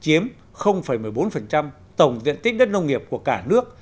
chiếm một mươi bốn tổng diện tích đất nông nghiệp của cả nước